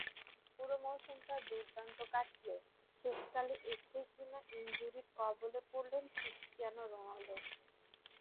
পুরো মৌসুমটা দুর্দান্ত কাটিয়ে শেষকালে এসেই কিনা ইনজুরির কবলে পড়লেন ক্রিস্টিয়ানো রোনালদো।